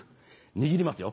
握りますよ